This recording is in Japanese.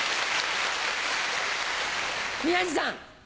宮治さん。